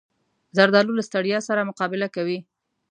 زردالو له ستړیا سره مقابله کوي.